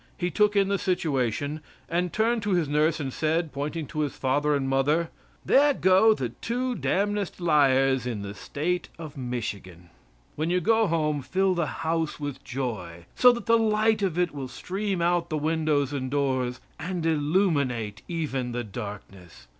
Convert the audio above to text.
He took in the situation, and turned to his nurse and said, pointing to his father and mother, "There go the two d t liars in the State of Michigan!" When you go home fill the house with joy, so that the light of it will stream out the windows and doors, and illuminate even the darkness.